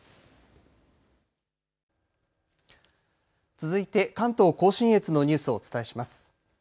続いて関東甲信越のニュースをお伝えします。